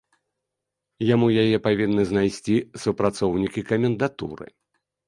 Яму яе павінны знайсці супрацоўнікі камендатуры.